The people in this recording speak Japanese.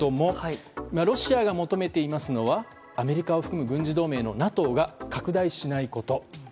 ロシアが求めていますのはアメリカを含む軍事同盟のＮＡＴＯが拡大しないこと。